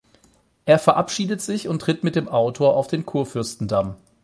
Er verabschiedet sich und tritt mit dem Autor auf den Kurfürstendamm.